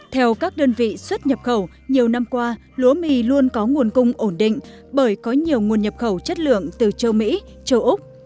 theo các đơn vị xuất nhập khẩu nhiều năm qua lúa mì luôn có nguồn cung ổn định bởi có nhiều nguồn nhập khẩu chất lượng từ châu mỹ châu úc